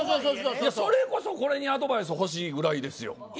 それこそアドバイスほしいぐらいですよ。